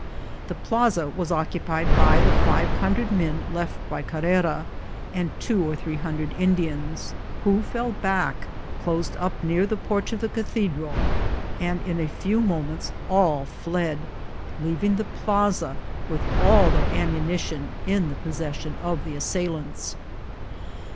The plaza was oc cupied by the five hundred men left by Carrera, and two ARRIVAL OF MORAZAN. Ill or three hundred Indians, who fell back, closed up near the porch of the Cathedral, and in a few moments all fled, leaving the plaza, with all their ammunition, in the possession of the assailants.